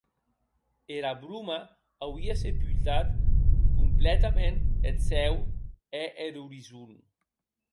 Era broma auie sepultat complètament eth cèu e er orizon.